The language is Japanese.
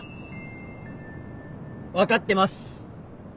分かってます。